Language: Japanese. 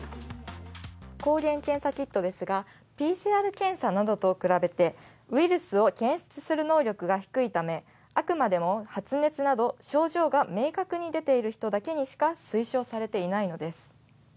抗原検査キットですが、ＰＣＲ検査などと比べてウイルスを検出する能力が低いためあくまでも発熱など症状が明確に出ている人だけにしか推奨されていないのです。